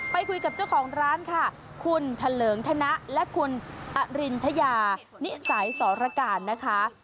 ไปคุยกับเจ้าของร้านค่ะคุณทะเลิงธนะและคุณอรินชยานิสัยสรการนะคะ